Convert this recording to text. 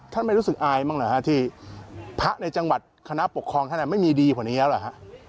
ท่านไม่รู้สึกอายบ้างเหรอครับที่พระในจังหวัดคณะปกครองท่านไม่มีดีขนาดนี้หรือครับ